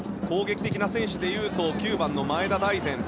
攻撃的な選手でいうと９番の前田大然